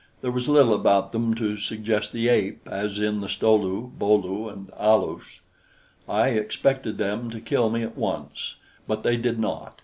There was little about them to suggest the ape, as in the Sto lu, Bo lu and Alus. I expected them to kill me at once, but they did not.